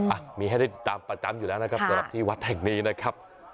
อ่ะมีให้ได้ติดตามประจำอยู่แล้วนะครับสำหรับที่วัดแห่งนี้นะครับ